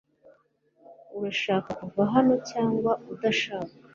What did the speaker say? Urashaka kuva hano cyangwa udashaka?